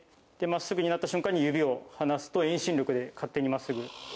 でまっすぐになった瞬間に指を離すと遠心力で勝手にまっすぐ。